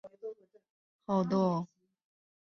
在交配季节时短角羚会变得非常好斗。